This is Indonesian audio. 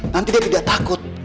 nanti dia tidak takut